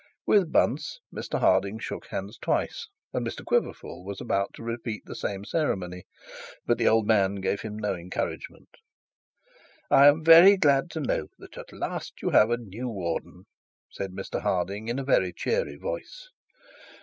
With Bunce Mr Harding shook hands twice, and Mr Quiverful was about to repeat the ceremony but the old man gave him no encouragement. 'I am very glad to know that at last you have a new warden,' said Mr Harding in a very cheery voice.